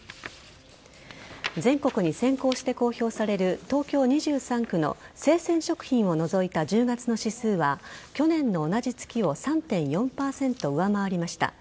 全国に先行して公表される東京２３区の生鮮食品を除いた１０月の指数は去年の同じ月を３．４％上回りました。